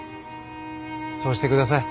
そうして下さい。